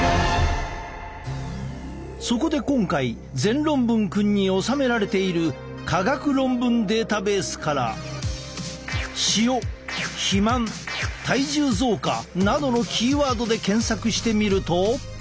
そこで今回全論文くんに収められている科学論文データベースからなどのキーワードで検索してみると。